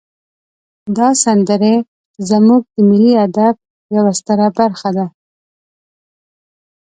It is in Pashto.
دا سندرې زمونږ د ملی ادب یوه ستره برخه ده.